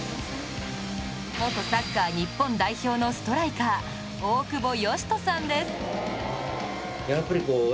元サッカー日本代表のストライカー大久保嘉人さんです